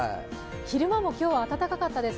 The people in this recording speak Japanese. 昼間も今日は暖かかったです。